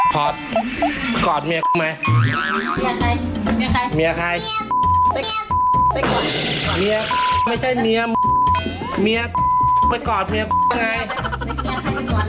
พอร์ตกอดเมียไหมเมียใครเมียใครเมียไม่ใช่เมียเมียไปกอดเมียไหน